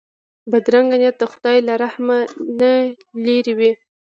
بدرنګه نیت د خدای له رحم نه لیرې وي